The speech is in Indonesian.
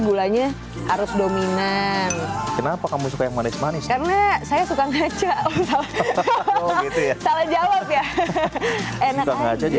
gulanya harus hai kenapa kamu suka yang manis manis karena saya suka ngaca ojo itu salah entonces oh hahahaha salah menjawab iseng gue mau candidate